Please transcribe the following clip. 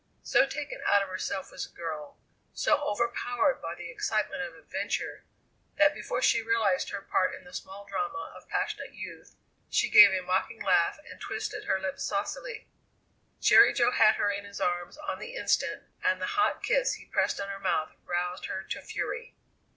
So taken out of herself was the girl, so overpowered by the excitement of adventure, that before she realized her part in the small drama of passionate youth, she gave a mocking laugh and twisted her lips saucily. Jerry Jo had her in his arms on the instant, and the hot kiss he pressed on her mouth roused her to fury.